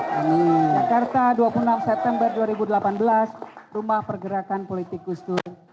jakarta dua puluh enam september dua ribu delapan belas rumah pergerakan politik gusdur